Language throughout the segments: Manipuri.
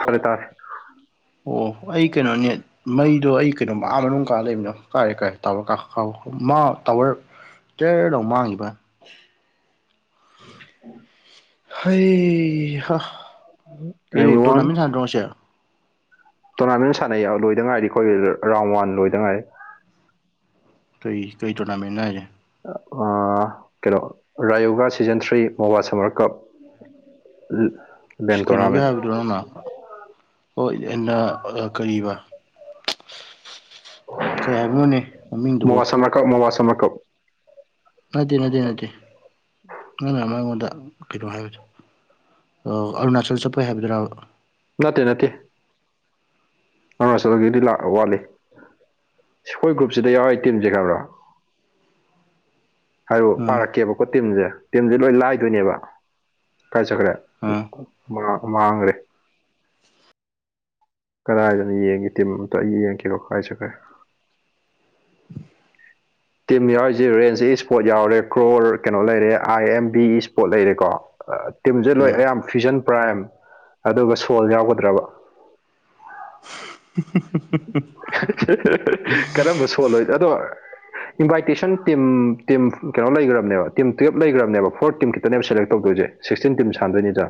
ꯐꯔꯦ ꯇꯥꯔꯦ ꯑꯣ ꯑꯩ ꯀꯩꯅꯣ ꯅꯦꯠ ꯃꯩꯗꯣ ꯑꯩ ꯀꯩꯅꯣ ꯑꯥ ꯃꯅꯨꯡ ꯀꯥ ꯂꯩꯃꯤꯅ ꯀꯥꯔꯦ ꯀꯥꯏꯔꯦ ꯇꯥꯋꯔ ꯀꯥꯎ ꯃꯥ ꯇꯥꯋꯔ [unintelligible] ꯂꯥꯎ ꯃꯥꯡꯉꯤꯕ [inaudible] ꯍꯩꯍꯥ ꯀꯩꯅꯣ ꯑꯦꯅꯤ ꯋꯥꯟ ꯇꯣꯔꯅꯥꯃꯦꯟ ꯁꯥꯟꯅꯗ꯭ꯔꯣ ꯉꯁꯤ ꯇꯣꯔꯅꯥꯃꯦꯟ ꯁꯥꯟꯅꯩ ꯂꯣꯏꯗ ꯉꯥꯏꯔꯤ ꯑꯩꯈꯣꯏ ꯔꯥꯎꯟ ꯋꯥꯟ ꯂꯣꯏꯗ ꯉꯥꯏꯔꯤ ꯀꯩ ꯀꯩ ꯇꯣꯔꯅꯥꯃꯦꯟꯅꯣ ꯍꯥꯏꯖꯦ ꯑꯥ ꯑꯥ ꯀꯩꯅꯣ ꯔꯥꯌꯣꯒꯥ ꯁꯤꯖꯟ ꯊ꯭ꯔꯤ ꯃꯣꯕꯥ ꯁꯃꯔ ꯀꯥꯞ ꯎꯝ ꯀꯩꯅꯣꯒꯤ ꯍꯥꯏꯕꯗꯨꯔꯣ ꯅꯪꯅ ꯍꯣꯏ ꯑꯩꯅ ꯀꯔꯤꯕ ꯀꯩ ꯍꯥꯏꯕꯅꯣꯅꯦ ꯃꯃꯤꯡꯗꯨꯕꯣ [unintelligible] ꯁꯥꯝꯃꯔ ꯀꯨꯞ ꯅꯠꯇꯦ ꯅꯠꯇꯦ ꯅꯠꯇꯦ ꯅꯪꯅ ꯑꯃ ꯑꯩꯉꯣꯟꯗ ꯀꯩꯅꯣ ꯍꯥꯏꯕꯗꯣ ꯑ ꯑꯔꯨꯅꯥꯆꯜ ꯆꯠꯄꯩ ꯍꯥꯏꯕꯗꯨꯔꯥꯕ ꯅꯠꯇꯦ ꯅꯠꯇꯦ ꯑꯔꯨꯅꯥꯆꯜꯒꯤꯗꯤ ꯂꯥꯛ ꯋꯥꯠꯂꯤ ꯁꯤꯈꯣꯏ ꯒ꯭ꯔꯨꯞꯁꯤꯗ ꯌꯥꯎꯔꯤ ꯇꯤꯝꯖꯦ ꯈꯕ꯭ꯔ ꯍꯥꯏꯔꯣ ꯎꯝ ꯄꯥꯔꯛꯀꯦꯕꯀꯣ ꯇꯤꯝꯖꯦ ꯇꯤꯝꯖꯦ ꯂꯣꯏ ꯂꯥꯏꯗꯣꯏꯅꯦꯕ ꯀꯥꯏ ꯆꯠꯈ꯭ꯔꯦ ꯎꯝ ꯃꯥꯡ ꯃꯥꯡꯒ꯭ꯔꯦ ꯀꯔꯥꯏꯗꯅꯣ ꯌꯦꯡꯒꯦ ꯇꯤꯝ ꯑꯝꯇ ꯑꯩ ꯌꯦꯡꯉꯛꯀꯦꯕ ꯀꯥꯢ ꯆꯠꯈ꯭ꯔꯦ ꯇꯤꯝ ꯌꯥꯎꯔꯤꯁꯦ ꯔꯦꯟꯖꯤ ꯁ꯭ꯀꯣꯠ ꯌꯥꯎꯔꯦ ꯀ꯭ꯔꯣꯔ ꯀꯩꯅꯣ ꯂꯩꯔꯦ ꯑꯥꯏ ꯑꯦꯝ ꯕꯤ ꯏꯁꯄꯣꯠ ꯂꯩꯔꯦꯀꯣ ꯇꯤꯝꯖꯦ ꯂꯣꯏ ꯎꯝ ꯑꯌꯥꯝ ꯐ꯭ꯔꯤꯖꯟ ꯄ꯭ꯔꯥꯏꯝ ꯑꯗꯨꯒ ꯁꯣꯜ ꯌꯥꯎꯒꯗ꯭ꯔꯕ [unintelligible] ꯀꯔꯝꯕ ꯁꯣꯜ ꯑꯣꯏ ꯑꯗꯣ ꯏꯟꯚꯥꯏꯇꯦꯁꯟ ꯇꯤꯝ ꯇꯤꯝ ꯀꯩꯅꯣ ꯂꯩꯒ꯭ꯔꯝꯅꯦꯕ ꯇꯤꯝ ꯇꯨꯌꯦꯜꯞ ꯂꯩꯒ꯭ꯔꯝꯅꯦꯕ ꯐꯣꯔ ꯇꯤꯝ ꯈꯤꯇꯅꯦꯕ ꯁꯦꯂꯦꯛ ꯇꯧꯗꯣꯏꯁꯦ ꯁꯤꯛꯁꯇꯤꯟ ꯇꯤꯝ ꯁꯥꯟꯗꯣꯏꯅꯤꯗ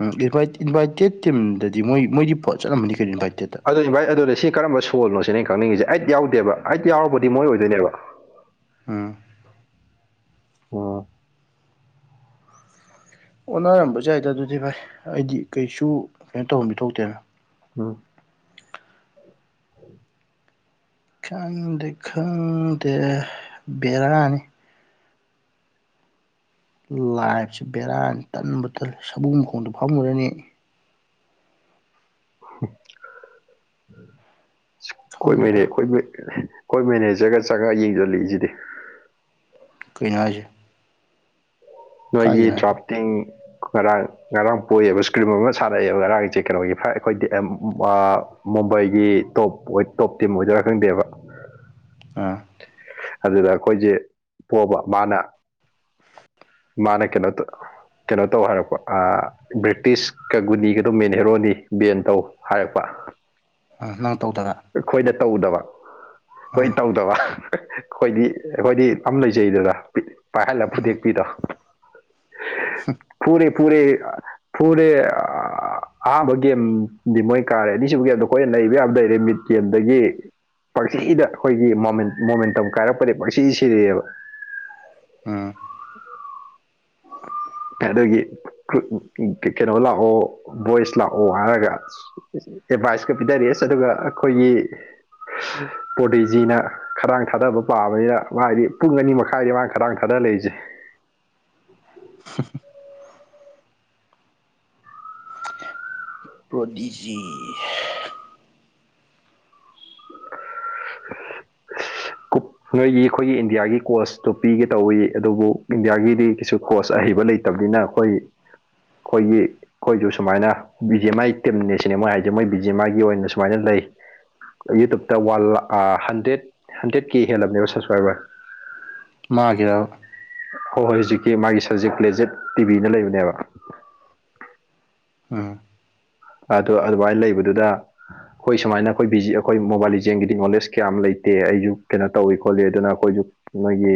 ꯎꯝ ꯏꯟꯚꯥꯏꯠ ꯏꯟꯚꯥꯏꯇꯦꯠ ꯇꯤꯝꯗꯗꯤ ꯃꯣꯏ ꯃꯣꯏꯗꯤ ꯐ ꯆꯠꯂꯝꯃꯅꯤ ꯀꯩꯅꯣ ꯏꯟꯚꯥꯏꯇꯦꯠꯇ ꯑꯗꯣ ꯏꯟꯚꯥꯏꯠ ꯑꯗꯨꯅꯦ ꯁꯤ ꯀꯔꯝꯕ ꯁꯣꯜꯅꯣ ꯁꯤꯅꯦ ꯑꯩ ꯈꯪꯅꯤꯡꯉꯤꯁꯦ ꯑꯩꯠ ꯌꯥꯎꯗꯦꯕ ꯑꯩꯠ ꯌꯥꯎꯔꯕꯨꯗꯤ ꯃꯣꯏ ꯑꯣꯏꯗꯣꯏꯅꯦꯕ ꯎꯝ ꯋꯥ ꯑꯣꯅꯔꯝꯕꯖꯨ ꯌꯥꯏꯗ ꯑꯗꯨꯗꯤ ꯚꯥꯏ ꯑꯩꯗꯤ ꯀꯩꯁꯨ ꯀꯩꯅꯣ ꯇꯧꯕꯝꯗꯤ ꯊꯣꯛꯇꯦꯅ [unintelligible] ꯈꯪꯗꯦ ꯈꯪꯗꯦ ꯚꯦꯔꯥꯅꯤ ꯂꯥꯏꯐꯁꯦ ꯚꯦꯔꯥꯅꯦ ꯇꯟꯕꯨ ꯇꯜꯂꯦ ꯁꯃꯨ ꯃꯈꯣꯡꯗ ꯐꯝꯃꯨꯔꯅꯤ ꯑꯩ [unintelligible] ꯈꯪꯗꯦꯗ ꯈꯣꯏ ꯃꯦꯅꯦꯖꯔꯒ ꯆꯪꯉ ꯌꯦꯡꯖꯜꯂꯤꯖꯤꯗꯤ ꯀꯩꯅꯣ ꯍꯥꯏꯖꯦ ꯅꯣꯏꯒꯤ ꯍꯥꯏꯁꯦ ꯗ꯭ꯔꯥꯐꯇꯤꯡ ꯉꯔꯥꯡ ꯉꯔꯥꯡ ꯄꯣꯌꯦꯕ ꯏꯁꯀ꯭ꯔꯤꯝ ꯑꯃ ꯁꯥꯟꯅꯩꯌꯦꯕ ꯉꯔꯥꯡꯖꯦ ꯀꯩꯅꯣꯒꯤ ꯐꯥꯢꯚ ꯑꯩꯈꯣꯏ [unintelligible] ꯃꯨꯝꯕꯩꯒꯤ ꯇꯣꯞ ꯑꯣꯏ ꯇꯣꯞ ꯇꯤꯝ ꯑꯣꯏꯗꯣꯏꯔꯥ ꯈꯪꯗꯦꯕ ꯑꯥ ꯑꯗꯨꯗ ꯑꯩꯈꯣꯏꯖꯦ ꯄꯣꯕ ꯃꯥꯅ ꯃꯥꯅ ꯀꯩꯅꯣ ꯇ ꯀꯩꯅꯣ ꯇꯧ ꯍꯥꯏꯔꯛꯄ ꯑꯥ ꯕ꯭ꯔꯤꯇꯤꯁꯀ ꯒꯨꯅꯤꯒꯗꯣ ꯃꯦꯟ ꯍꯦꯔꯣꯅꯤ ꯕꯦꯟ ꯇꯧ ꯍꯥꯏꯔꯛꯄ ꯑ ꯅꯪ ꯇꯧꯗꯕ ꯑꯩꯈꯣꯏꯗ ꯇꯧꯗꯕ ꯍꯣꯏ ꯑꯥ ꯇꯧꯗꯕ ꯈꯣꯏꯗꯤ ꯑꯩꯈꯣꯏꯗꯤ ꯑꯝ ꯂꯩꯖꯩꯗꯅ ꯄꯥꯏꯍꯜꯂ ꯑꯥ ꯐꯨꯗꯦꯛꯄꯤꯗꯣ ꯐꯨꯔꯦ ꯐꯨꯔꯦ ꯐꯨꯔꯦ ꯑ ꯑꯍꯥꯝꯕ ꯒꯦꯝꯗꯤ ꯃꯣꯏ ꯀꯥꯔꯦ ꯑꯅꯤꯁꯨꯕ ꯒꯦꯝꯗꯣ ꯑꯩꯈꯣꯏꯅ ꯅꯩꯕ ꯌꯥꯕ ꯅꯩꯔꯦ ꯃꯤꯠ ꯒꯦꯝꯗꯒꯤ ꯄꯔꯁꯤꯗ ꯑꯈꯣꯏꯒꯤ ꯃꯣꯃꯦꯟ ꯃꯣꯃꯦꯟꯇꯝ ꯀꯥꯏꯔꯛꯄꯗꯩ ꯄꯪꯁꯤ ꯁꯤꯔꯦꯕ ꯎꯝ [inaudible] ꯑꯗꯒꯤ [unintelligible] ꯀꯩꯅꯣ ꯂꯥꯛꯑꯣ ꯚꯣꯏꯁ ꯂꯥꯛꯑꯣ ꯍꯥꯏꯔꯒ ꯑꯦꯗꯚꯥꯏꯁꯀ ꯄꯤꯙꯔꯛꯑꯦ ꯑꯁ ꯑꯗꯨꯒ ꯑꯈꯣꯏꯒꯤ ꯄꯣꯗꯤꯖꯤꯅ ꯈꯗꯥꯡ ꯊꯥꯗꯕ ꯄꯥꯕꯅꯤꯅ ꯃꯥꯗꯤ ꯄꯨꯡ ꯑꯅꯤ ꯃꯈꯥꯏꯅꯤ ꯃꯅꯥ ꯈꯗꯥꯡ ꯊꯥꯗ ꯂꯩꯖꯦ [inaudible] ꯄ꯭ꯔꯣꯗꯤꯖꯤ [inaudible] ꯀꯨꯞ ꯅꯣꯏꯒꯤ ꯑꯩꯈꯣꯏꯒꯤ ꯏꯟꯗꯤꯌꯥꯒꯤ ꯀꯣꯁꯇꯣ ꯄꯤꯒꯦ ꯇꯧꯏ ꯑꯗꯨꯕꯨ ꯏꯟꯗꯤꯌꯥꯒꯤꯗꯤ ꯀꯩꯁꯨ ꯀꯣꯁ ꯑꯍꯩꯕ ꯂꯩ ꯇꯕꯤꯅ ꯈꯣꯏꯒꯤ ꯈꯣꯏꯒꯤ ꯈꯣꯏꯁꯨ ꯁꯨꯃꯥꯏꯅ ꯕꯤ ꯖꯦ ꯃꯥꯏ ꯇꯤꯝꯅꯦ ꯁꯤꯅꯦ ꯃꯣꯏ ꯍꯥꯏꯁꯦ ꯃꯣꯏ ꯕꯤ ꯖꯦ ꯃꯥꯏꯒꯤ ꯑꯣꯏꯅ ꯁꯨꯃꯥꯏꯅ ꯂꯩ꯫ ꯌꯨꯇ꯭ꯌꯨꯇ ꯋꯥꯟ ꯂꯥꯛ ꯑ ꯍꯟꯗ꯭ꯔꯦꯠ ꯍꯟꯗ꯭ꯔꯦꯠ ꯀꯦ ꯍꯦꯜꯂꯕꯅꯦꯕ ꯁꯞꯁꯀ꯭ꯔꯥꯏꯕꯔ ꯃꯥꯒꯤꯔꯕ ꯍꯣꯏ ꯍꯣꯏ ꯍꯧꯖꯤꯛꯀꯤ ꯃꯥꯒꯤ ꯁꯕꯖꯦꯛ ꯄ꯭ꯂꯦꯖꯦꯠ ꯇꯤꯕꯤꯅ ꯂꯩꯕꯅꯦꯕ ꯑꯥ ꯑꯗꯨ ꯑꯗꯨꯃꯥꯏ ꯂꯩꯕꯗꯨꯗ ꯑꯩꯈꯣꯏ ꯁꯨꯃꯥꯏꯅ ꯑꯩꯈꯣꯏ ꯕꯤꯖꯤ ꯑꯩꯈꯣꯏ ꯃꯣꯕꯥꯏꯜ ꯂꯤꯖꯦꯡꯒꯤꯗꯤ ꯅꯣꯂꯦꯖ ꯀꯌꯥꯝ ꯂꯩꯇꯦ ꯑꯩꯁꯨ ꯀꯩꯅꯣ ꯇꯧꯏ ꯈꯣꯠꯂꯤ ꯑꯗꯨꯅ ꯑꯩꯈꯣꯏꯁꯨ ꯅꯣꯏꯒꯤ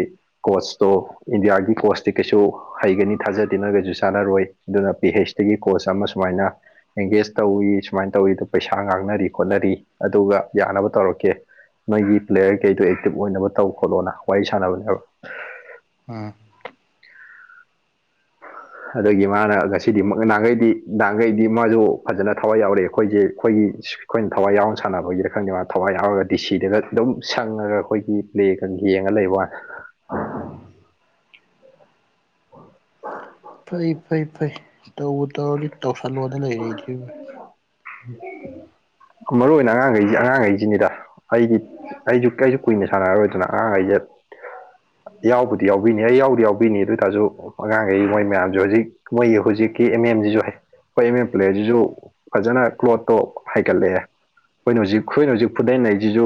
ꯀꯣꯆꯇꯣ ꯏꯟꯗꯤꯌꯥꯒꯤ ꯀꯣꯆꯇꯤ ꯀꯩꯁꯨ ꯍꯩꯒꯅꯤ ꯊꯥꯖꯗꯦ ꯅꯪꯒꯁꯨ ꯆꯥꯟꯅꯔꯣꯏ ꯑꯗꯨꯅ ꯄꯤ ꯍꯩꯁꯇꯤꯒꯤ ꯀꯣꯆ ꯑꯃ ꯁꯨꯃꯥꯏꯅ ꯑꯦꯡꯒꯦꯖ ꯇꯧꯏ ꯁꯨꯃꯥꯏꯅ ꯇꯧꯏꯗꯣ ꯄꯩꯁꯥ ꯉꯥꯡꯅꯔꯤ ꯈꯣꯠꯅꯔꯤ ꯑꯗꯨꯒ ꯌꯥꯅꯕ ꯇꯧꯔꯛꯀꯦ ꯅꯣꯏꯒꯤ ꯄ꯭ꯂꯦꯌꯔ ꯀꯩꯗꯣ ꯑꯦꯛꯇꯤꯞ ꯑꯣꯏꯅꯕ ꯇꯧ ꯈꯣꯠꯂꯣꯅ ꯋꯥꯔꯤ ꯁꯥꯟꯅꯕꯅꯦꯕ ꯎꯝ ꯑꯗꯨꯒꯤ ꯃꯥꯅ ꯉꯁꯤꯗꯤ ꯅꯍꯥꯟꯒꯩꯗꯤ ꯅꯍꯥꯟꯒꯩꯗꯤ ꯃꯥꯁꯨ ꯐꯖꯅꯥ ꯊꯋꯥꯏ ꯌꯥꯎꯔꯛꯑꯦ ꯑꯩꯈꯣꯏꯁꯦ ꯑꯩꯈꯣꯏꯒꯤ ꯑꯩꯈꯣꯏꯅ ꯊꯋꯥꯏ ꯌꯥꯎꯔꯅ ꯁꯥꯟꯅꯕꯒꯤꯔ ꯈꯪꯗꯦꯕ ꯃꯥ ꯊꯋꯥꯏ ꯌꯥꯎꯔꯒ ꯗꯤ ꯁꯤꯗꯒ ꯑꯗꯨꯝ ꯁꯪꯉꯒ ꯑꯩꯈꯣꯏꯒꯤ ꯄ꯭ꯂꯦꯒ ꯌꯦꯡꯉ ꯂꯩꯕ ꯋꯥꯅꯦ ꯐꯩ ꯐꯩ ꯐꯩ ꯇꯧꯕꯨ ꯇꯧꯔꯗꯤ ꯇꯧꯁꯜꯂꯣꯗ ꯂꯩꯔꯦ ꯑꯩꯗꯤ ꯕꯥꯏ ꯃꯔꯨ ꯑꯣꯏꯅ ꯑꯉꯥꯡꯈꯩꯁꯤ ꯑꯉꯥꯡꯈꯩꯁꯤꯅꯤꯗ ꯑꯩꯗꯤ ꯑꯩꯖꯨ ꯑꯩꯁꯨ ꯀꯨꯏꯅ ꯁꯥꯟꯅꯔꯔꯣꯏꯗꯅ ꯑꯉꯥꯡꯈꯩꯁꯦ ꯌꯥꯎꯕꯨꯗꯤ ꯌꯥꯎꯕꯤꯅꯤ ꯑꯩ ꯌꯥꯎꯕꯨꯗꯤ ꯌꯥꯎꯕꯤꯅꯤ ꯑꯗꯨ ꯑꯣꯏꯇꯥꯁꯨ ꯑꯉꯥꯡꯈꯩ ꯃꯣꯏ ꯃꯌꯥꯝꯁꯨ ꯍꯧꯖꯤꯛ ꯃꯣꯏꯒꯤ ꯍꯧꯖꯤꯛꯀꯤ ꯑꯦꯝ ꯑꯦꯝꯁꯤꯁꯨ ꯍꯩ ꯑꯩꯈꯣꯏ ꯑꯦꯝ ꯑꯦꯝ ꯄ꯭ꯂꯦꯁꯤꯁꯨ ꯐꯖꯅꯥ ꯀ꯭ꯂꯣꯠꯇꯣ ꯍꯩꯒꯠꯂꯛꯑꯦ ꯑꯩꯈꯣꯏꯅ ꯍꯧꯖꯤꯛ ꯑꯩꯈꯣꯏꯅ ꯍꯧꯖꯤꯛ ꯐꯨꯗꯠ ꯅꯩꯁꯤꯁꯨ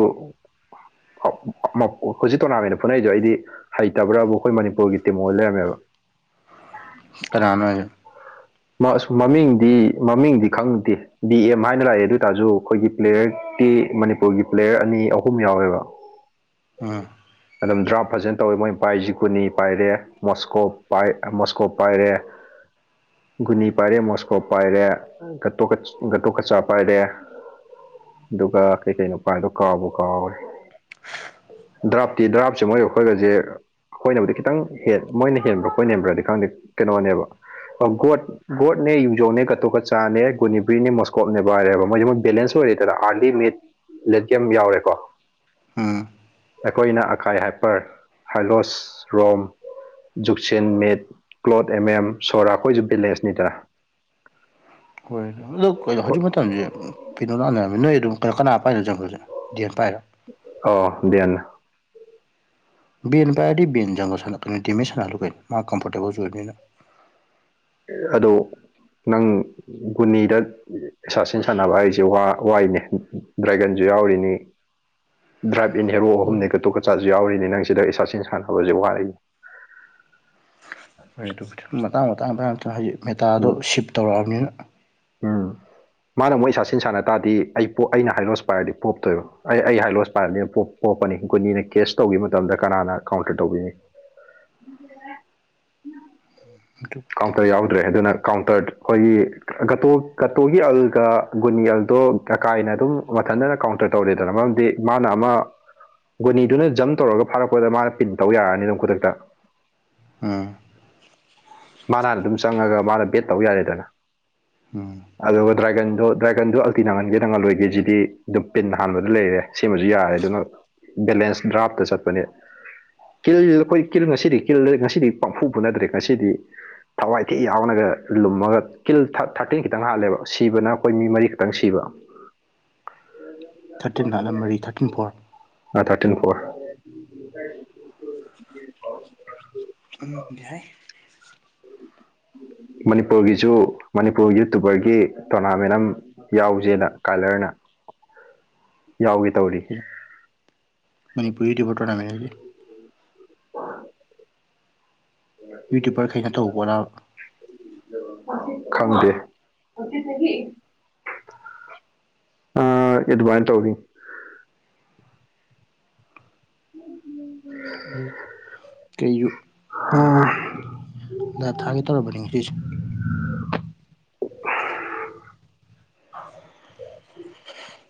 [unintelligible] ꯍꯧꯖꯤꯛ ꯇꯣꯔꯅꯥꯃꯦꯟꯗ ꯐꯨꯅꯔꯤꯗꯣ ꯑꯩꯗꯤ ꯍꯩꯇꯕ꯭ꯔꯥꯕꯨ ꯑꯩꯈꯣꯏ ꯃꯅꯤꯄꯨꯔꯒꯤ ꯇꯤꯝ ꯑꯣꯏꯅ ꯂꯩꯔꯝꯃꯦꯕ ꯀꯅꯥꯅꯣ ꯍꯥꯏꯁꯦ ꯃꯁ ꯃꯃꯤꯡꯗꯤ ꯃꯃꯤꯡꯗꯤ ꯈꯪꯗꯦ ꯕꯤ ꯑꯦꯝ ꯍꯥꯏꯅ ꯂꯥꯛꯑꯦ ꯑꯗꯨ ꯑꯣꯏꯇꯥꯁꯨ ꯑꯩꯈꯣꯏꯒꯤ ꯄ꯭ꯂꯦꯌꯔ ꯇꯤ ꯃꯅꯤꯄꯨꯔꯒꯤ ꯄ꯭ꯂꯦꯌꯔ ꯑꯅꯤ ꯑꯍꯨꯝ ꯌꯥꯎꯋꯦꯕ ꯑꯥ ꯑꯗꯨꯝ ꯗ꯭ꯔꯥꯐ ꯐꯖꯅꯥ ꯇꯧꯋꯦ ꯃꯣꯏ ꯄꯥꯏꯁꯤ ꯒꯨꯅꯤ ꯄꯥꯏꯔꯦ ꯃꯣꯁꯀꯣꯞ ꯄꯥꯏ ꯃꯣꯁꯀꯣꯞ ꯄꯥꯏꯔꯦ ꯒꯨꯅꯤ ꯄꯥꯏꯔꯦ ꯃꯣꯁꯀꯣꯞ ꯄꯥꯏꯔꯦ ꯒꯇꯣꯛꯒꯥꯠ ꯒꯇꯣꯛꯀꯆꯥ ꯄꯥꯏꯔꯦ ꯑꯗꯨꯒ ꯀꯩꯀꯩꯅꯣ ꯄꯥꯏꯕꯗꯣ ꯀꯥꯎꯕꯨ ꯀꯥꯎꯔꯦ ꯗ꯭ꯔꯥꯐꯇꯤ ꯗ꯭ꯔꯥꯐꯁꯦ ꯃꯣꯏ ꯑꯩꯈꯣꯏꯒꯁꯦ ꯑꯩꯈꯣꯏꯅꯕꯨꯗꯤ ꯈꯤꯇꯪ ꯍꯦꯟ ꯃꯣꯏꯅ ꯍꯦꯟꯕ꯭ꯔꯥ ꯑꯩꯈꯣꯏꯅ ꯍꯦꯟꯕ꯭ꯔꯥꯗꯤ ꯈꯪꯗꯦ ꯀꯩꯅꯣꯅꯦꯕ ꯑ ꯒꯣꯗ ꯒꯣꯗꯅꯦ ꯌꯨꯖꯣꯡꯅꯦ ꯒꯇꯣꯛꯀꯆꯥꯅꯦ ꯒꯨꯅꯤꯕ꯭ꯔꯤꯅꯦ ꯃꯣꯁꯀꯣꯞꯅꯦ ꯄꯥꯏꯔꯦ ꯃꯣꯏ ꯃꯣꯏ ꯕꯦꯂꯦꯟꯁ ꯑꯣꯏꯔꯦ ꯇꯦꯗꯥ ꯑꯔꯂꯤ ꯃꯤꯠ ꯂꯦꯗ ꯒꯦꯝ ꯌꯥꯎꯔꯦꯀꯣ ꯎꯝ ꯑꯩꯈꯣꯏꯅ ꯑꯀꯥꯏ ꯍꯥꯏꯞꯄꯔ ꯍꯥꯏꯂꯣꯁ ꯔꯣꯝ ꯖꯨꯛꯁꯦꯟ ꯃꯤꯠ ꯀ꯭ꯂꯣꯠ ꯑꯦꯝ ꯑꯦꯝ ꯁꯣꯔꯥ ꯑꯩꯈꯣꯏꯁꯨ ꯕꯦꯂꯦꯟꯁꯅꯤꯗꯅ ꯑꯗꯨ ꯀꯩꯅꯣ ꯍꯧꯖꯤꯛ ꯃꯇꯝꯁꯦ ꯀꯩꯅꯣ ꯂꯥꯟꯅꯔꯝꯅꯦ ꯅꯣꯏ ꯑꯗꯨꯝ ꯀ ꯀꯅꯥ ꯄꯥꯏꯅꯣ ꯖꯪꯒꯜꯁꯦ ꯗꯦꯟ ꯄꯥꯏꯔꯣ ꯑꯣ ꯗꯦꯟ ꯕꯦꯟ ꯄꯥꯏꯔꯗꯤ ꯕꯦꯟ ꯖꯪꯒꯜ [unintelligible] ꯁꯅꯍꯜꯂꯨ ꯀꯩꯅ‌ꯣ ꯃꯥ ꯀꯝꯐꯣꯔꯇꯦꯕꯜꯁꯨ ꯑꯣꯏꯕꯅꯤꯅ ꯑꯗꯣ ꯅꯪ ꯒꯨꯅꯤꯗ ꯑꯦꯁꯥꯁꯤꯟ ꯁꯥꯟꯅꯕ ꯍꯥꯏꯁꯦ ꯋꯥ ꯋꯥꯏꯅꯦ ꯗ ꯗ꯭ꯔꯥꯏꯒꯟꯁꯨ ꯌꯥꯎꯔꯤꯅꯤ ꯗ꯭ꯔꯥꯏꯞ ꯏꯟ ꯍꯦꯔꯣ ꯍꯣꯏ ꯑꯍꯨꯝꯅꯤ ꯒꯇꯣꯀꯆꯥꯁꯨ ꯌꯥꯎꯔꯤꯅꯤ ꯅꯪ ꯁꯤꯗ ꯏꯁꯥꯁꯤꯟ ꯁꯥꯟꯅꯕꯁꯦ ꯋꯥꯏꯅ [unintelligible] ꯍꯣꯏ ꯑꯗꯨꯕꯨꯗꯤ ꯃꯇꯥꯡ ꯃꯇꯥꯡ ꯃꯇꯥꯡ ꯃꯦꯇꯥꯗꯣ ꯎꯝ ꯁꯤꯞ ꯇꯧꯔꯛꯑꯕꯅꯤꯅ ꯎꯝ ꯃꯥꯅ ꯃꯣꯏ ꯏꯁꯥꯁꯤꯟ ꯁꯥꯟꯅ ꯇꯥꯔꯗꯤ ꯑꯩ ꯄꯣ ꯑꯩꯅ ꯍꯥꯏꯂꯣꯁ ꯄꯥꯏꯔꯗꯤ ꯄꯣꯞꯇꯣꯏꯕ ꯑꯩ ꯑꯩ ꯍꯥꯏꯂꯣꯁ ꯄꯥꯏꯕꯅꯤꯅ ꯄꯣꯞ ꯄ‌ꯣꯞꯄꯅꯤ ꯨꯒꯨꯟꯅꯤꯅ ꯀꯦꯁ ꯇꯧꯈꯤꯕ ꯃꯇꯝꯗ ꯀꯅꯥꯅ ꯀꯥꯎꯟꯇꯔ ꯇꯧꯕꯤꯅꯤ [inaudible] [unintelligible] ꯀꯥꯎꯟꯇꯔ ꯌꯥꯎꯗ꯭ꯔꯦ ꯑꯗꯨꯅ ꯀꯥꯎꯟꯇꯔ ꯑꯩꯈꯣꯏꯒꯤ ꯒꯇꯣ ꯒꯇꯣꯒꯤ ꯑꯜꯒ ꯒꯨꯟꯅꯤ ꯑꯜꯗꯣ ꯑꯀꯥꯏꯅ ꯑꯗꯨꯝ ꯃꯊꯟꯗꯅ ꯀꯥꯎꯟꯇꯔ ꯇꯧꯔꯦꯗꯅ ꯃꯔꯝꯗꯤ ꯃꯥꯅ ꯑꯃ ꯒꯨꯅꯤꯗꯨꯅ ꯖꯝ ꯇꯧꯔꯒ ꯐꯥꯔꯛꯄꯗ ꯃꯥꯅ ꯄꯤꯟ ꯇꯧ ꯌꯥꯔꯅꯤ ꯑꯗꯨꯝ ꯈꯨꯗꯛꯇ ꯎꯝ ꯃꯥꯟ ꯍꯥꯟ ꯑꯗꯨꯝ ꯆꯪꯉꯒ ꯃꯥꯅ ꯕꯦꯠ ꯇꯧ ꯌꯥꯔꯦꯗꯅ ꯎꯝ ꯑꯗꯨꯒ ꯗ꯭ꯔꯥꯏꯒꯟꯗꯣ ꯗ꯭ꯔꯥꯏꯒꯟꯖꯨ ꯑꯜꯇꯤꯅ ꯑꯣꯟꯒꯦ ꯅꯪꯍꯜ ꯂꯣꯏꯒꯦꯖꯤꯗꯤ ꯑꯗꯨꯝ ꯄꯤꯟ ꯍꯥꯟꯕꯗ ꯂꯩꯔꯦ ꯁꯤꯃꯖꯨ ꯌꯥꯔꯦ ꯑꯗꯨꯅ ꯕꯦꯂꯦꯟꯁ ꯗ꯭ꯔꯥꯐꯇ ꯆꯠꯄꯅꯤ ꯀꯤꯜꯁꯤꯖꯨ ꯑꯩꯈꯣꯏ ꯀꯤꯜ ꯉꯁꯤꯗꯤ ꯀꯤꯜ ꯉꯁꯤꯗꯤ ꯄꯥꯡꯐꯨ ꯐꯨꯅꯗ꯭ꯔꯦ ꯉꯁꯤꯗꯤ ꯊꯋꯥꯏ ꯊꯤ ꯌꯥꯎꯅꯒ ꯂꯨꯝꯃꯒ ꯀꯤꯜ ꯊꯥꯔ ꯊꯥꯔꯇꯤꯟ ꯈꯤꯇꯪ ꯍꯥꯜꯂꯦꯕ ꯁꯤꯕꯅ ꯑꯩꯈꯣꯏ ꯃꯤ ꯃꯔꯤ ꯈꯛꯇꯪ ꯁꯤꯕ ꯊꯥꯔꯇꯤꯟ ꯂꯥꯠꯂꯝ ꯃꯔꯤ ꯊꯥꯔꯇꯤꯟ ꯐꯣꯔ ꯑ ꯊꯥꯔꯇꯤꯟ ꯐꯣꯔ [unintelligible] ꯎꯝ ꯌꯥꯏ ꯃꯅꯤꯄꯨꯔꯒꯤꯁꯨ ꯃꯅꯤꯄꯨꯔ ꯌꯨꯇꯨꯕꯔꯒꯤ ꯇꯣꯔꯅꯥꯃꯦꯟ ꯑꯝ ꯌꯥꯎꯖꯦꯅ ꯀꯂꯔꯅ ꯌꯥꯎꯒꯦ ꯇꯧꯔꯤ ꯃꯅꯤꯄꯨꯔ ꯌꯨꯇꯨꯕꯔ ꯇꯔꯣꯅꯃꯦꯟ ꯍꯥꯏꯗꯤ ꯌꯨꯇꯨꯕꯔ ꯈꯩꯅ ꯇꯧꯕꯔꯥ [unintelligible] ꯈꯪꯗꯦ ꯍꯪꯆꯤꯠꯇꯒꯤ ꯑ ꯑꯦꯗꯨꯕꯥꯥꯏꯟ ꯇꯧꯋꯤ ꯑꯗꯨ ꯀꯩꯌꯨ ꯑ ꯂꯥꯏꯞ ꯊꯥꯒꯦ ꯇꯧꯔꯕꯅ‌ꯦ ꯉꯁꯤꯁ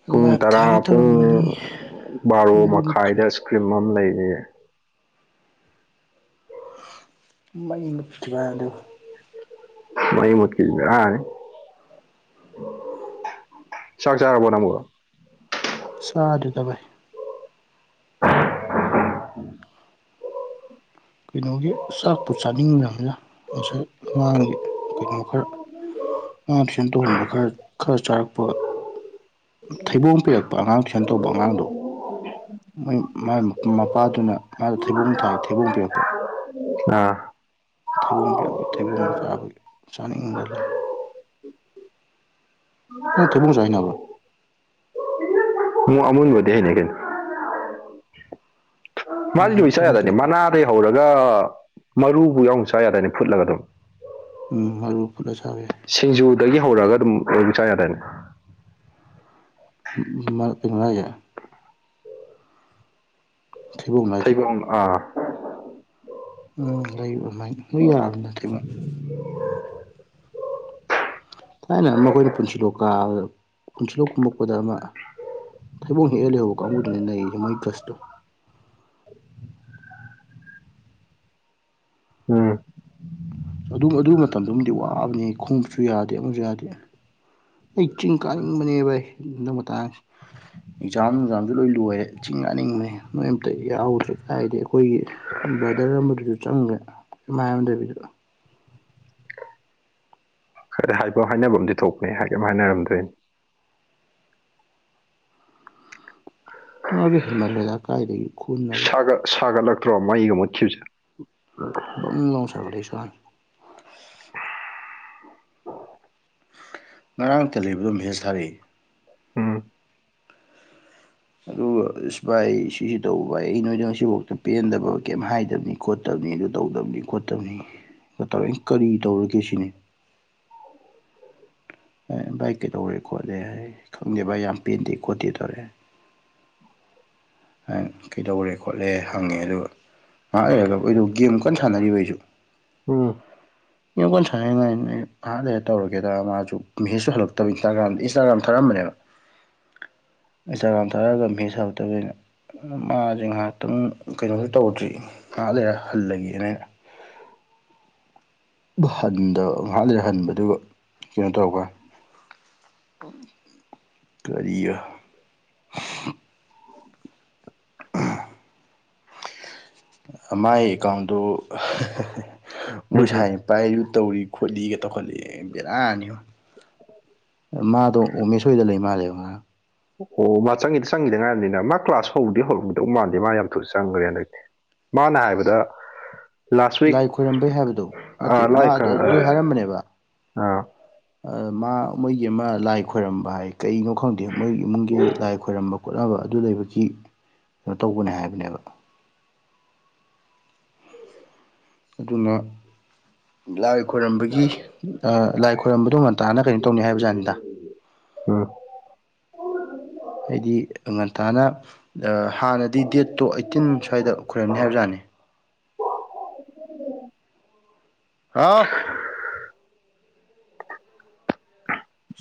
ꯄꯨꯡ ꯂꯥꯏꯞ ꯇꯔꯥ ꯊꯥꯒꯦ ꯄꯨꯡ ꯇꯧꯔꯝꯕꯅꯤ ꯕꯥꯔꯣ ꯃꯩ ꯃꯨꯠꯈ꯭ꯔꯦ ꯃꯈꯥꯏꯗ ꯏꯁꯀ꯭ꯔꯤꯝ ꯑꯃ ꯂꯩꯔꯤꯌꯦ ꯃꯩ ꯃꯨꯠ ꯈꯤꯕꯥꯟ ꯑꯗꯨ ꯃꯩ ꯃꯨꯠꯈꯤ [unintelligible] ꯕꯦꯔꯥꯅꯦ ꯆꯥꯛ ꯆꯥꯔꯕꯣ ꯅꯪꯕꯨ ꯆꯥꯗ꯭ꯔꯤꯗ ꯕꯥꯥꯏ ꯀꯩꯅꯣꯒꯤ ꯆꯥꯛꯄꯨ ꯆꯥꯅꯤꯡꯗꯕꯅꯤꯗ ꯉꯁꯥꯏ ꯑꯉꯥꯡꯒꯤ ꯀꯩꯅꯣ ꯈꯔ ꯉꯥ ꯁꯦꯝ ꯇꯣꯛꯑꯝꯕ ꯈꯔ ꯈꯔ ꯆꯥꯔꯛꯄꯒ ꯊꯩꯕꯣꯡ ꯄꯤꯔꯛꯄ ꯑꯉꯥꯡ ꯇꯨꯏꯁꯟ ꯇꯧꯕ ꯑꯉꯥꯡꯗꯣ ꯃꯣꯏ ꯃꯥꯏ ꯃꯄꯥꯗꯨꯅ ꯃꯥꯗꯣ ꯊꯩꯕꯣꯡ ꯊꯥꯏ ꯊꯩꯕꯣꯡ ꯄꯤꯔꯛꯄ ꯑꯥ ꯊꯩꯕꯣꯡ ꯄꯤꯔꯛꯄꯩ ꯊꯩꯕꯣꯡ ꯆꯥꯕꯩ ꯆꯥꯅꯤꯡꯗꯂ‌ꯦ ꯅꯪ ꯊꯩꯕꯣꯡꯖꯦ ꯍꯩꯅꯕꯔꯣ ꯑꯃꯨ ꯑꯃꯨꯟꯕꯗꯤ ꯍꯩꯅꯩ ꯀꯩꯅꯣ ꯃꯥꯗꯤ ꯂꯣꯏ ꯆꯥ ꯃꯊꯪ ꯌꯥꯗꯏꯅꯦ ꯄꯤꯔꯛꯄꯗ ꯃꯅꯥꯗꯩ ꯍꯧꯔꯒ ꯃꯔꯨꯕꯨ ꯌꯥꯎꯅ ꯆꯥ ꯌꯥꯗꯏꯅꯦ ꯐꯨꯠꯂꯒ ꯑꯗꯨꯝ ꯎꯝ ꯃꯔꯨ ꯐꯨꯠꯂ ꯆꯕꯌꯥꯏ ꯁꯤꯡꯖꯨꯗꯒꯤ ꯍꯧꯔꯒ ꯑꯗꯨꯝ ꯂꯣꯏꯅ ꯆꯥ ꯌꯥꯗꯥꯏꯅꯦ [unintelligible] ꯊꯩꯕꯣꯡ [unintelligible] ꯊꯩꯕꯣꯡ ꯑꯥ ꯎꯝ ꯂꯩꯕ ꯑꯃꯥꯏ ꯂꯣꯏ ꯌꯥꯕ [unintelligible] ꯊꯥꯏꯅ ꯑꯃ ꯑꯩꯈꯣꯏꯅ ꯄꯨꯟꯁꯤꯂꯣꯛ ꯀꯥꯕꯗ ꯄꯨꯟꯁꯤꯂꯣꯛ ꯀꯨꯝꯃꯛꯄꯗ ꯑꯃ ꯊꯩꯕꯣꯡ ꯍꯦꯛꯑ ꯂꯩꯍꯧꯕ ꯀꯥꯡꯕꯨꯗꯨꯅꯦ ꯅꯩꯔꯤꯗꯣ ꯃꯣꯏ ꯒꯠꯁꯇꯣ ꯎꯝ ꯑꯗꯨꯝ ꯑꯗꯨ ꯃꯇꯝꯗꯨꯃꯗꯤ ꯋꯥꯕꯅꯤ ꯈꯣꯡꯎꯞꯁꯨ ꯌꯥꯗꯦ ꯑꯃꯁꯨ ꯌꯥꯗꯦ ꯑꯩ ꯆꯤꯡ ꯀꯥꯅꯤꯡꯕꯅꯦ ꯕꯥꯏ ꯍꯟꯗꯥꯛ ꯃꯇꯥꯡꯁꯦ ꯑꯦꯛꯖꯥꯝ ꯅꯨꯡꯖꯥꯝꯁꯨ ꯂꯣꯏ ꯂꯣꯏꯔꯦ ꯆꯤꯡ ꯀꯅꯤꯡꯕꯅꯦ ꯅꯣꯏ ꯑꯝꯇ ꯌꯥꯎꯗ꯭ꯔꯦ ꯍꯥꯏꯗꯤ ꯑꯩꯈꯣꯏꯒꯤ ꯕ꯭ꯔꯗꯔ ꯑꯃꯒꯤꯗꯨꯁꯨ ꯆꯪꯒꯔꯦ ꯀꯩꯝ ꯍꯥꯏꯔꯝꯗꯕꯤꯗ ꯈꯔꯗꯤ ꯍꯥꯏꯕ ꯍꯥꯏꯅꯕꯝꯗꯤ ꯊꯣꯛꯄꯅꯦ ꯍꯥꯏ ꯀꯩꯝ ꯍꯥꯏꯅꯔꯝꯗ꯭ꯔꯦꯅꯦ ꯃꯥꯗꯤ ꯍꯦꯟꯃꯜꯂꯦꯗ ꯀꯥꯏꯗꯒꯤ ꯈꯨꯠꯅꯕꯨ ꯁꯥꯒꯠ ꯁꯥꯒꯠꯂꯛꯇ꯭ꯔꯣ ꯃꯩꯒ ꯃꯨꯠꯈꯤꯕꯁꯦ ꯕꯪ ꯂꯥꯎ ꯁꯥꯒꯠꯂꯦ ꯏꯁꯥꯁꯦ ꯉꯔꯥꯡ ꯇꯦꯜꯍꯩꯕꯗꯣ ꯃꯦꯁꯦꯁ ꯊꯥꯔꯛꯑꯦ ꯎꯝ ꯑꯗꯨꯒ ꯑꯁ ꯚꯥꯏ ꯁꯤꯁꯤ ꯇꯧꯕ ꯑꯩ ꯅꯣꯏꯗ ꯉꯁꯤꯐꯥꯎꯗ ꯄꯦꯟꯗꯕ ꯀꯩꯝ ꯍꯥꯏꯗꯕꯅꯤ ꯈꯣꯠꯇꯕꯅꯤ ꯑꯗꯨ ꯇꯧꯗꯕꯅꯤ ꯈꯣꯠꯇꯕꯅꯤ ꯇꯧꯔꯦ ꯑꯩꯅ ꯀꯔꯤ ꯇꯧꯔꯒꯦ ꯁꯤꯅꯤ ꯑꯦ ꯚꯥꯏ ꯀꯩꯗꯧꯔꯦ ꯈꯣꯠꯂꯦ ꯍꯥꯏ ꯈꯪꯗꯦ ꯚꯥꯏ ꯌꯥꯝ ꯄꯦꯟꯗꯦ ꯈꯣꯠꯇꯦ ꯇꯧꯔꯛꯑꯦ ꯍꯥꯏ ꯀꯩꯗꯧꯔꯦ ꯈꯣꯠꯂꯦ ꯍꯪꯉꯦ ꯑꯗꯨꯒ ꯉꯩꯍꯥꯛ ꯂꯩꯔꯒ ꯑꯩꯗꯣ ꯒꯦꯝ ꯀꯟꯅ ꯁꯥꯟꯅꯔꯤꯕ ꯑꯩꯁꯨ [inaudible] ꯒꯦꯝ ꯀꯟ ꯁꯥꯟꯅꯔꯤꯉꯥꯏꯗ ꯑꯩꯅ ꯉꯩꯍꯥꯛꯂꯩꯔ ꯇꯧꯔꯒꯦꯗ ꯃꯥꯁꯨ ꯃꯦꯁꯦꯖꯁꯨ ꯍꯜꯂꯛꯇꯕꯩ ꯏꯟꯁꯇꯥꯒ꯭ꯔꯥꯝ ꯏꯟꯁꯇꯥꯒ꯭ꯔꯥꯝꯗ ꯊꯥꯔꯝꯕꯅꯦꯕ [inaudible] ꯏꯟꯁꯇꯥꯒ꯭ꯔꯥꯝꯗ ꯊꯥꯔꯛꯑꯒ ꯃꯦꯁꯦꯁ ꯍꯜꯂꯜꯇꯕꯗꯨꯗ ꯑꯩꯅ ꯃꯥꯁꯦ ꯉꯩꯍꯥꯛꯇꯪ ꯀꯩꯅꯣꯁꯨ ꯇꯧꯗ꯭ꯔꯤ ꯉꯩꯍꯥꯛ ꯂꯩꯔ ꯍꯜꯂꯒꯦꯅ ꯑꯩꯅ ꯍꯟꯗꯕ ꯉꯥꯏꯍꯥꯛ ꯂꯩꯔ ꯍꯟꯕ ꯑꯗꯨꯒ ꯀꯩꯅꯣ ꯇꯧꯔꯛꯄꯋꯥꯅꯤ [inaudible] ꯀꯔꯤ ꯃꯥꯏ ꯑꯦꯀꯥꯎꯟꯗꯨ ꯃꯣꯏ ꯎꯝ ꯎꯝ ꯁꯥꯏꯅ ꯄꯥꯏ ꯇꯧꯔꯤ ꯈꯣꯠꯂꯤꯒ ꯇꯧꯈꯠꯂꯛꯑꯦ ꯕꯦꯔꯥꯅꯤꯉꯣ ꯃꯥꯗꯣ ꯎꯃꯦꯁ ꯍꯣꯏꯗ ꯂꯩ ꯃꯥꯜꯂꯦ ꯉꯔꯥꯡ ꯑꯣ ꯃꯥ ꯆꯪꯒꯤ ꯆꯪꯒꯤꯗ ꯉꯥꯏꯔꯤꯝꯅꯤꯅ ꯃꯥ ꯀ꯭ꯂꯥꯁ ꯍꯧꯗꯤ ꯍꯧꯔꯝꯒꯤꯗꯧ ꯃꯥꯟꯗꯦ ꯃꯥ ꯌꯥꯝ ꯊꯨꯅ ꯆꯪꯈ꯭ꯔꯦ ꯍꯟꯗꯛꯇꯤ ꯃꯥꯅ ꯍꯥꯏꯕꯗ ꯂꯥꯁ ꯋꯤꯛ ꯂꯥꯏ ꯈꯣꯏꯔꯝꯕꯩ ꯍꯥꯏꯕꯗꯣ ꯅꯠꯇꯦ ꯂꯥꯏꯛ ꯃꯥꯗꯨ ꯑꯗꯨ ꯑꯥ ꯍꯥꯏꯔꯝꯕꯅꯦꯕ ꯑ ꯃꯥ ꯃꯣꯏꯒꯤ ꯑꯃ ꯂꯥꯏ ꯈꯣꯏꯔꯝꯕ ꯍꯥꯏ ꯀꯩꯅꯣ ꯈꯪꯗꯦ ꯃꯣꯏ ꯏꯃꯨꯡꯒꯤ ꯂꯥꯏ ꯈꯣꯏꯔꯝꯕ ꯈꯣꯠꯅꯕ ꯑꯗꯨ ꯂꯩꯕꯒꯤ ꯀꯩꯅꯣ ꯇꯧꯕꯅꯦ ꯍꯥꯏꯕꯅꯦꯕ ꯑꯗꯨꯅ ꯂꯥꯏ ꯈꯣꯏꯔꯝꯕꯒꯤ ꯑ ꯂꯥꯏ ꯈꯣꯏꯔꯝꯕꯗꯨ ꯉꯟꯇꯥꯅ ꯀꯩꯅꯣ ꯇꯧꯅꯤ ꯍꯥꯏꯕꯖꯥꯠꯅꯤꯗ ꯎꯝ ꯍꯥꯏꯗꯤ ꯉꯟꯇꯥꯅ ꯑ ꯍꯥꯟꯅꯗꯤ ꯗꯦꯠꯇꯣ ꯑꯥꯏꯠꯇꯤꯟ ꯁ꯭ꯋꯥꯏꯗ ꯈꯣꯢꯔꯝꯅꯤ ꯍꯥꯏꯕꯖꯥꯠꯅꯦ ꯍꯥꯥꯎ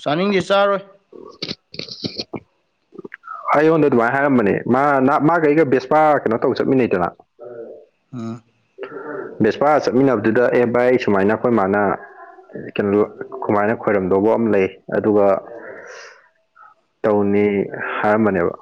ꯆꯥꯅꯤꯡꯗꯦ ꯆꯥꯔꯔꯣꯏ [inaudible] ꯍꯥꯏꯌ‌ꯣꯟꯗ ꯑꯗꯨꯃꯥꯏ ꯍꯥꯏꯔꯝꯕꯅꯦ ꯃꯥ ꯃꯥꯒ ꯑꯩꯒ ꯕꯦꯁꯄꯥ ꯀꯩꯅꯣ ꯇꯧ ꯆꯠꯃꯤꯟꯅꯩꯗꯅ ꯑꯥ ꯕꯦꯁꯄꯥ ꯆꯠꯃꯤꯟꯅꯕꯗꯨꯗ ꯑꯦ ꯚꯥꯏ ꯑꯩ ꯁꯨꯃꯥꯏꯅ ꯑꯩꯈꯣꯏ ꯃꯥꯅ ꯀꯩꯅꯣ ꯀꯨꯃꯥꯏꯅ ꯈꯣꯏꯔꯝꯗꯧꯕ ꯑꯃ ꯂꯩ ꯑꯗꯨꯒ ꯇꯧꯅꯤ ꯍꯥꯏꯔꯝꯕꯅꯦꯕ